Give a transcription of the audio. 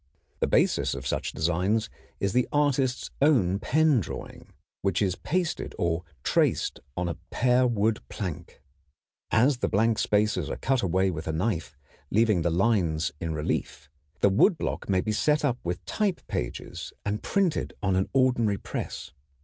The basis of such designs is the artist's own pen drawing, which is pasted or traced on a pear wood plank. All the blank spaces are cut away with a knife, leaving the lines in relief. This wood block may be set up with type pages and printed on an ordinary press.